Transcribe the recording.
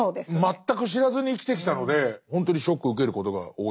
全く知らずに生きてきたのでほんとにショック受けることが多いです。